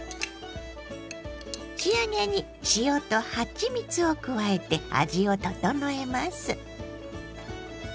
仕上げに塩とはちみつを加えて味を調えます。